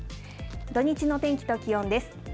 土日の天気と気温です。